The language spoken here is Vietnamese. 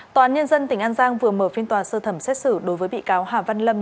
tòa án nhân dân tỉnh an giang vừa mở phiên tòa sơ thẩm xét xử đối với bị cáo hà văn lâm